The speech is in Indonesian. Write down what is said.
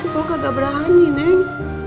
pak kamu tidak berani neng